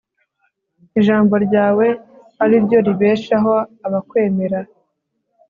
ijambo ryawe ari ryo ribeshaho abakwemera